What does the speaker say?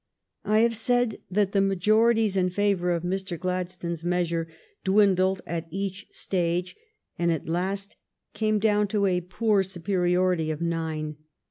I have said that the majorities in favor of Mr. Gladstones measure dwindled at each stage, and at last came down to a poor superiority of nine.